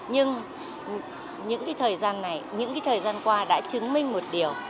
nhưng những cái thời gian này những cái thời gian qua đã chứng minh một điều